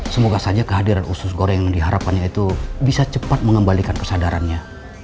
semoga saja kehadiran usus goreng yang diharapkannya itu bisa cepat mengembalikan kesadarannya